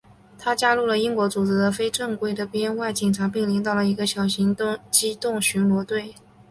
他加入了英国组织的非正规的编外警察并领导了一个小型机动巡逻队。